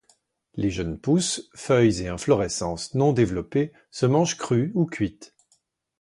Les jeunes pousses, feuilles et inflorescences non développées se mangent crues ou cuites.